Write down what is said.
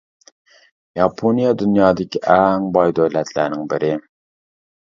ياپونىيە دۇنيادىكى ئەڭ باي دۆلەتلەرنىڭ بىرى.